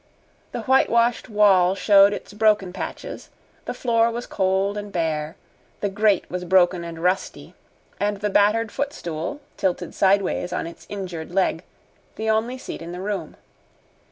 The whitewashed wall showed its broken patches, the floor was cold and bare, the grate was broken and rusty, and the battered footstool, tilted sideways on its injured leg, the only seat in the room.